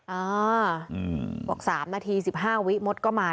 และก็คือว่าถึงแม้วันนี้จะพบรอยเท้าเสียแป้งจริงไหม